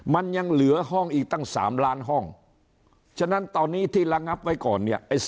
มันยังเหลือห้องอีกตั้ง๓ล้านห้องฉะนั้นตอนนี้ที่ระงับไว้ก่อนเนี่ย